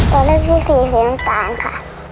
ตัวเลือกที่สี่หูน้ำตาลค่ะ